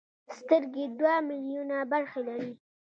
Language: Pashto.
سترګې دوه ملیونه برخې لري.